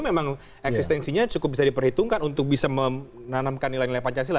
memang eksistensinya cukup bisa diperhitungkan untuk bisa menanamkan nilai nilai pancasila